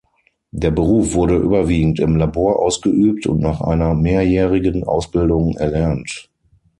Der Beruf wurde überwiegend im Labor ausgeübt und nach einer mehrjährigen Ausbildung erlernt.